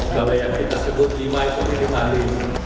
kalau yang kita sebut lima itu lima hari